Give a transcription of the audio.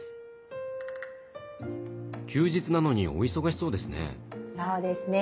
休日なのにお忙しそうですね？